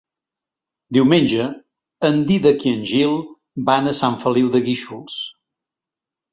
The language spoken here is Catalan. Diumenge en Dídac i en Gil van a Sant Feliu de Guíxols.